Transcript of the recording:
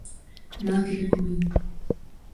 Nada que ver comigo.